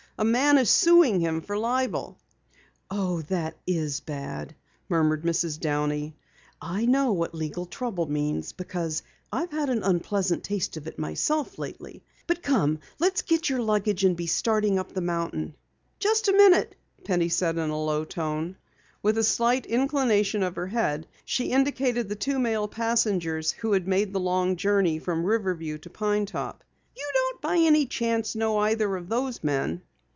A man is suing him for libel." "Oh, that is bad," murmured Mrs. Downey. "I know what legal trouble means because I've had an unpleasant taste of it myself lately. But come, let's get your luggage and be starting up the mountain." "Just a minute," said Penny in a low tone. With a slight inclination of her head, she indicated the two male passengers who had made the long journey from Riverview to Pine Top. "You don't by any chance know either of those men?"